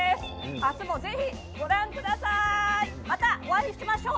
明日もぜひご覧ください。